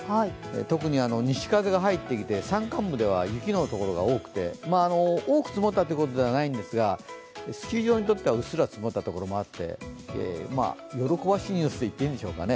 特に西風が入ってきて、山間部では雪の所が多くて多く積もったということではないんですがスキー場にとってはうっすら積もった所もあって、喜ばしいニュースと言っていいんですかね？